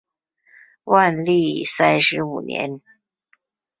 万历三十五年。